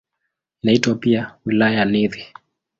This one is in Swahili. Inaitwa pia "Wilaya ya Nithi".